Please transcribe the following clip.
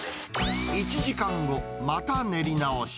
１時間後、また練り直し。